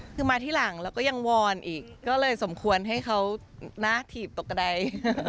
คือมาที่หลังแล้วก็ยังวอนอีกก็เลยสมควรให้เขาหน้าถีบตกกระดาย